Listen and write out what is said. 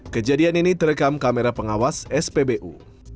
kejadian ini terekam kamera pengawas spbu